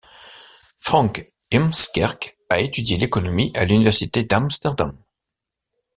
Frank Heemskerk a étudié l'économie à l'Université d'Amsterdam.